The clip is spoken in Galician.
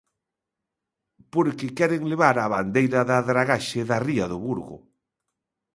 Porque queren levar a bandeira da dragaxe da ría do Burgo.